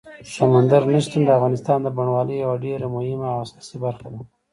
سمندر نه شتون د افغانستان د بڼوالۍ یوه ډېره مهمه او اساسي برخه ده.